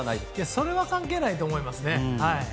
それは関係ないと思いますね。